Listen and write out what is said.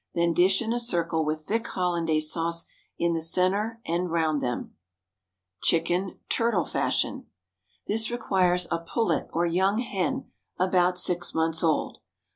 Then dish in a circle with thick Hollandaise sauce in the centre and round them. Chicken, Turtle Fashion. This requires a pullet or young hen about six months old.